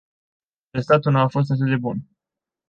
Rezultatul nu a fost atât de bun.